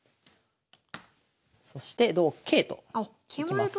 そして同桂といきます。